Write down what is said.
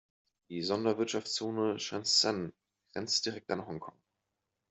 Die Sonderwirtschaftszone Shenzhen grenzt direkt an Hongkong.